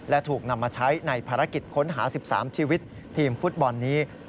และถูกนำมาใช้ในภารกิจค้นหา๑๓ชีวิตทีมฟุตบอลนี้